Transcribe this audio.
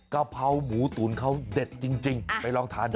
กะเพราหมูตุ๋นเขาเด็ดจริงไปลองทานดู